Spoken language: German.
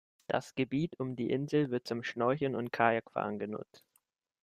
Das Gebiet um die Insel wird zum Schnorcheln und Kajakfahren genutzt.